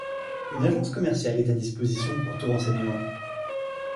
Une agence commerciale est à disposition pour tous renseignements.